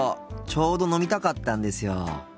ちょうど飲みたかったんですよ。